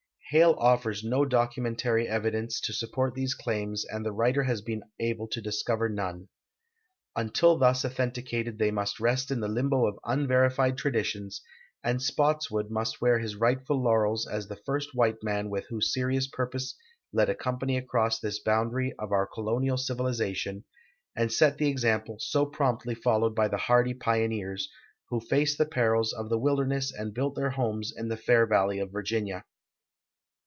Hale offers no documentary evidence to support these claims and the writer has been able to discover none. Until thus authenticated they must rest in the limbo of unverified traditions, and Spottswood must wear his rightful laurels as the first white man who with serious purpose led a company across this boundary of our colonial civilization, and set the example so promptly followed by the hardy pioneers, who faced the perils of the wilderness and built their homes in the fair valley of Virginia.